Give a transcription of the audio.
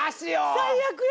最悪や。